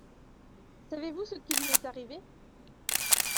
Savez-vous ce qui lui est arrivé ?